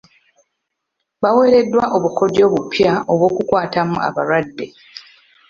Baweereddwa obukodyo obupya obw'okukwatamu abalwadde.